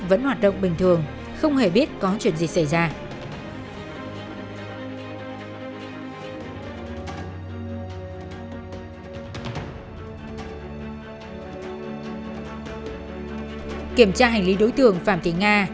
vẫn hoạt động bình thường không hề biết có chuyện gì xảy ra khi kiểm tra hành lý đối tượng phạm thị nga